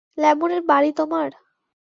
ল্যামোরে বাড়ি তোমার?